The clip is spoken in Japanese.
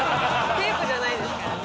テープじゃないですからね。